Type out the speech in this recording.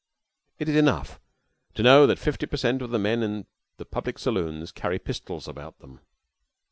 It is enough to know that fifty per cent of the men in the public saloons carry pistols about them.